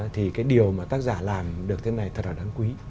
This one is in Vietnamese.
thì cái điều mà tác giả làm được thế này thật là đáng quý